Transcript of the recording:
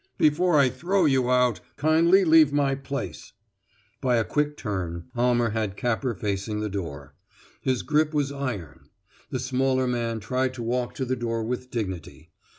"Before I throw you out, kindly leave my place." By a quick turn, Almer had Capper facing the door; his grip was iron. The smaller man tried to walk to the door with dignity.